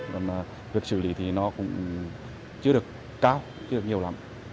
nhưng mà việc xử lý thì nó cũng chưa được cao chưa được nhiều lắm